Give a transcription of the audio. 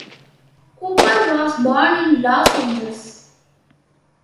Cooper was born in Los Angeles.